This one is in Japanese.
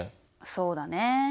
そうだね。